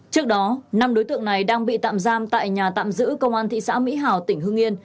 trước đó năm đối tượng này đang bị tạm giam tại nhà tạm giữ công an thị xã mỹ hào tỉnh hưng yên